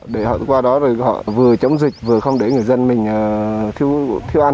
để họ qua đó rồi họ vừa chống dịch vừa không để người dân mình thiếu ăn